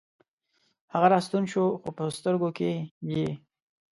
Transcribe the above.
هغه راستون شو، خوپه سترګوکې یې